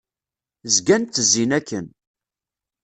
Zgan ttezzin akken.